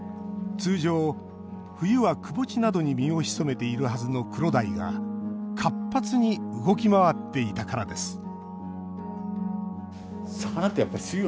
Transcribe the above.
通常、冬は、くぼ地などに身を潜めているはずのクロダイが活発に動き回っていたからです